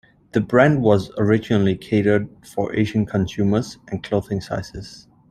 The brand was originally catered for Asian consumers and clothing sizes.